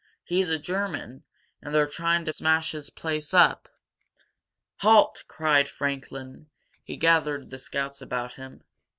"He's a German, and they're trying to smash his place up!" "Halt!" cried Franklin. He gathered the scouts about him.